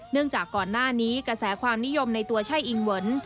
จากก่อนหน้านี้กระแสความนิยมในตัวช่ายอิงเวิร์น